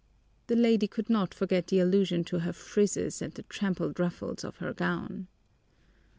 The lady could not forget the allusion to her frizzes and the trampled ruffles of her gown.